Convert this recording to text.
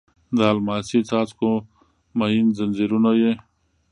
د الماسې څاڅکو مهین ځنځیرونه یې